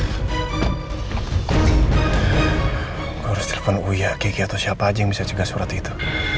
aku harus telepon uya kiki atau siapa saja yang bisa cek surat itu